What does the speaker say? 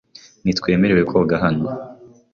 Ntiwemerewe koga hano .